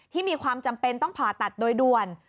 มีความจำเป็นต้องผ่าตัดโดยด่วน